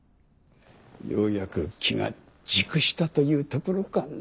ようやく機が熟したというところかな？